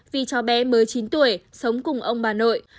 vì cháu bé mới chín tuổi sống cùng ông bà nội